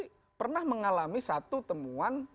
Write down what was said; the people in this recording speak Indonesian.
kita mengalami satu temuan